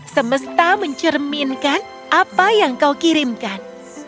semesta mencerminkan apa yang kau kirimkan